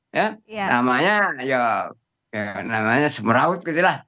ya namanya ya namanya semeraut gitu lah